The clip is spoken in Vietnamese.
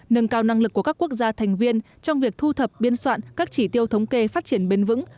nâng cao năng lực của các quốc gia thành viên trong việc thu thập biên soạn các chỉ tiêu thống kê phát triển bền vững